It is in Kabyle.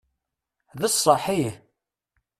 D sseḥ ih.